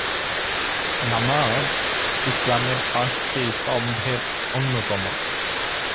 নামাজ ইসলামের পাঁচটি স্তম্ভের অন্যতম।